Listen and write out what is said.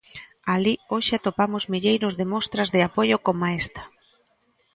Alí hoxe atopamos milleiros de mostras de apoio coma esta.